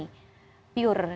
jadi benar benar kita pure